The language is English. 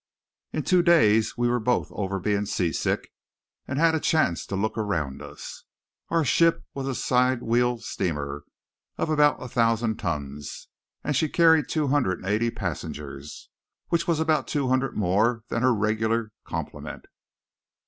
In two days we were both over being seasick, and had a chance to look around us. Our ship was a side wheel steamer of about a thousand tons, and she carried two hundred and eighty passengers, which was about two hundred more than her regular complement.